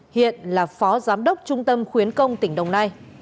hiện là phó giám đốc trung tâm khuyến công tỉnh đồng nai